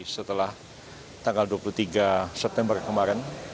setelah tanggal dua puluh tiga september kemarin